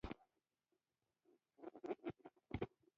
پاولو کویلیو د ژوند او تقدیر مفاهیم څیړلي دي.